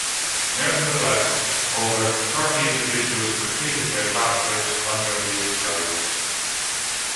Nevertheless, over thirty individuals completed their doctorates under his guidance.